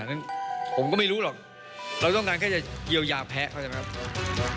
ฉะนั้นผมก็ไม่รู้หรอกเราต้องการแค่จะเยียวยาแพ้เขาใช่ไหมครับ